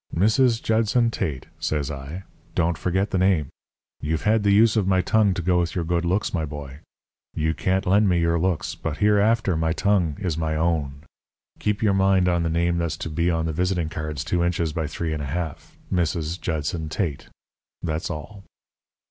"'Mrs. Judson Tate,' says I. 'Don't forget the name. You've had the use of my tongue to go with your good looks, my boy. You can't lend me your looks; but hereafter my tongue is my own. Keep your mind on the name that's to be on the visiting cards two inches by three and a half "Mrs. Judson Tate." That's all.'